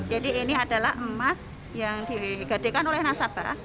jadi ini adalah emas yang digadikan oleh nasabah